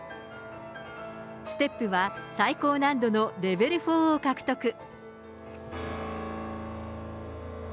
ステップは最高難度のレベル４を獲得。